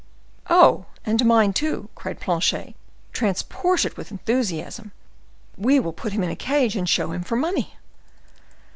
"Oh! and to mine too," cried Planchet, transported with enthusiasm. "We will put him in a cage and show him for money."